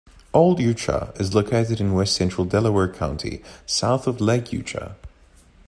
Old Eucha is located in west-central Delaware County, south of Lake Eucha.